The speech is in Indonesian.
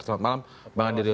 selamat malam bang andirio